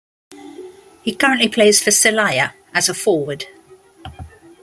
He currently plays for Celaya as a forward.